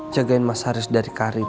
jagain mas haris dari karir